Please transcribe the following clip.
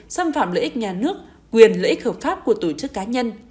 xâm phạm lợi ích nhà nước quyền lợi ích hợp pháp của tổ chức cá nhân